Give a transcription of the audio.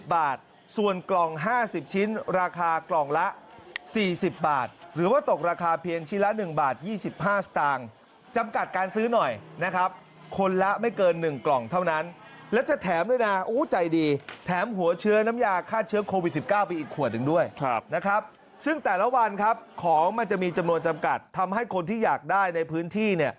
บาทส่วนกล่อง๕๐ชิ้นราคากล่องละ๔๐บาทหรือว่าตกราคาเพียงชิ้นละ๑บาท๒๕สตางค์จำกัดการซื้อหน่อยนะครับคนละไม่เกิน๑กล่องเท่านั้นและจะแถมด้วยนะใจดีแถมหัวเชื้อน้ำยาฆ่าเชื้อโควิด๑๙ไปอีกขวดหนึ่งด้วยนะครับซึ่งแต่ละวันครับของมันจะมีจำนวนจำกัดทำให้คนที่อยากได้ในพื้นที่เนี่ย